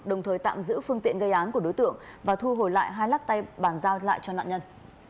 đồng thời tạm giữ phương tiện gây án của đối tượng và thu hồi lại hai lắc tay bàn giao lại cho nạn nhân